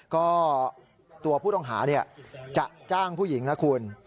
ก็ตัวผู้ต้องหาจะจ้างผู้หญิงนะคุณ